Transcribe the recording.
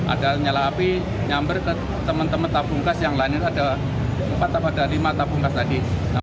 ada nyala api nyamber ke teman teman tabung gas yang lain itu ada empat atau ada lima tabung gas tadi